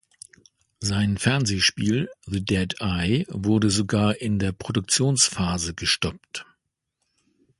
Sein Fernsehspiel "The Dead Eye" wurde sogar in der Produktionsphase gestoppt.